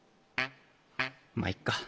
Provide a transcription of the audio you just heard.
まっいっか。